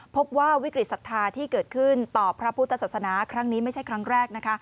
พบว่าวิกฤตศรัทธาที่เกิดขึ้นต่อพระพุทธศาสนาครั้งนี้ไม่ใช่ครั้งแรกนะคะ